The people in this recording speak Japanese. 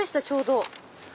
ちょうど。